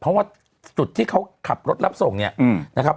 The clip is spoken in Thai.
เพราะว่าจุดที่เขาขับรถรับส่งเนี่ยนะครับ